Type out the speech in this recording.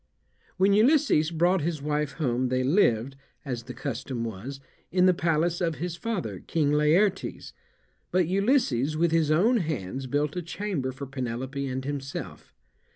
When Ulysses brought his wife home they lived, as the custom was, in the palace of his father, King Laertes, but Ulysses, with his own hands, built a chamber for Penelope and himself.